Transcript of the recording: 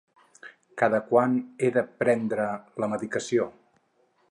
Cada quant he de prendre la medicació?